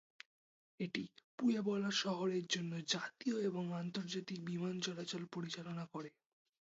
এটি পুয়েবলা শহরের জন্য জাতীয় এবং আন্তর্জাতিক বিমান চলাচল পরিচালনা করে।